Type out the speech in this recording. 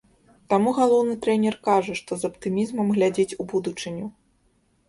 Таму галоўны трэнер кажа, што з аптымізмам глядзіць у будучыню.